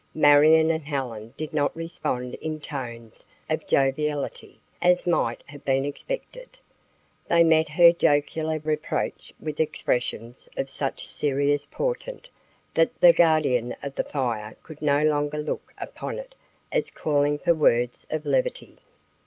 Marion and Helen did not respond in tones of joviality, as might have been expected. They met her jocular reproach with expressions of such serious portent that the Guardian of the Fire could no longer look upon it as calling for words of levity.